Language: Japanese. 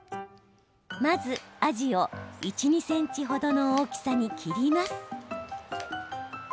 まず、あじを１、２ｃｍ程の大きさに切ります。